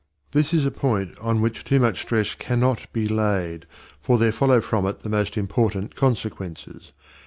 This is a point on which too much stress cannot be laid, for there follow from it the most important consequences.